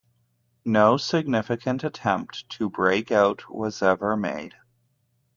No significant attempt to break out was ever made.